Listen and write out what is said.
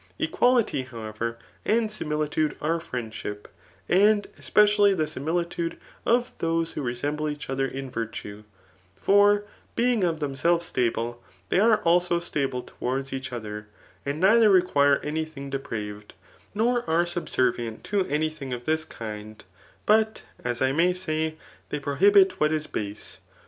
Equality, however, and similitude are friendship, and especially the similitude dF*^ those who resemble each other in virtue ; for being of themselves stable, they are also stable towards each other, and neither require any thing depraved, nor are subser^ vient to any thing of this kind, but, as I may say, they prohibit what is base.